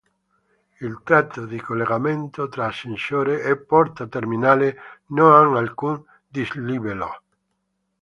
Il tratto di collegamento tra ascensore e porta terminale non ha alcun dislivello.